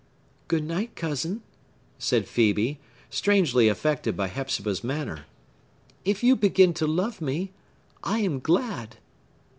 "Goodnight, cousin," said Phœbe, strangely affected by Hepzibah's manner. "If you begin to love me, I am glad!"